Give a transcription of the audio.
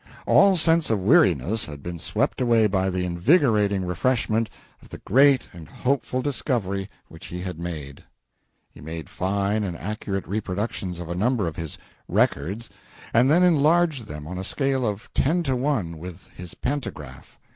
All sense of weariness had been swept away by the invigorating refreshment of the great and hopeful discovery which he had made. He made fine and accurate reproductions of a number of his "records," and then enlarged them on a scale of ten to one with his pantograph.